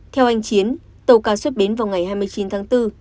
theo anh chiến tàu cá xuất bến vào ngày hai mươi chín tháng bốn